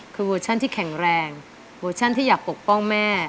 คือเวอร์ชันที่แข็งแรงเวอร์ชันที่อยากปกป้องแม่